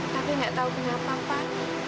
tapi gak tahu kenapa pak